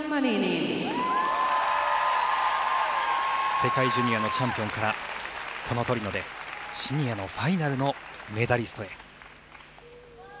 世界ジュニアのチャンピオンからこのトリノでシニアのファイナルのメダリストへ。